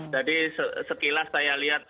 jadi sekilas saya lihat